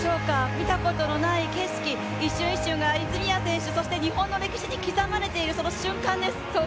見たことのない景色、一瞬一瞬が泉谷選手そして日本の歴史に刻まれている、その瞬間です。